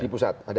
di pusat ada